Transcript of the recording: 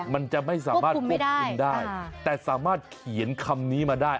มันจะไม่สามารถควบคุมได้แต่สามารถเขียนคำนี้มาได้